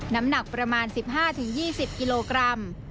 น้ำหนักประมาณ๑๕๒๐กิโลกรัม